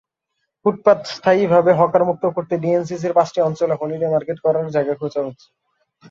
ফুটপাত স্থায়ীভাবে হকারমুক্ত করতে ডিএনসিসির পাঁচটি অঞ্চলে হলিডে মার্কেট করার জায়গা খোঁজা হচ্ছে।